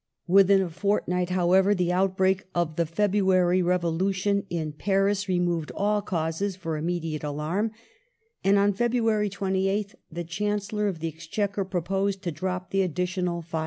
Within a fortnight, however, the outbreak of the February Revolution in Paris removed all cause for immediate alarm, and on February 28th the Chancellor of the Exchequer proposed to drop the additional 5d.